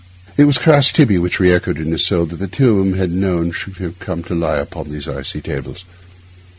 It was a cras tibi which re echoed in his soul, that two whom he had known should have come to lie upon these icy tables.